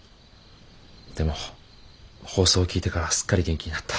でも放送を聞いてからすっかり元気になった。